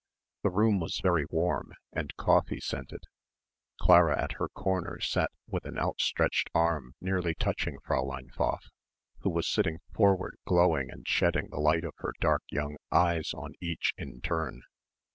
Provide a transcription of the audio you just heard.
The room was very warm, and coffee scented. Clara at her corner sat with an outstretched arm nearly touching Fräulein Pfaff who was sitting forward glowing and shedding the light of her dark young eyes on each in turn.